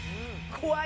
怖い！